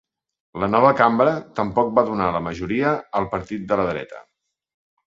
La nova Cambra, tampoc va donar la majoria al Partit de la Dreta.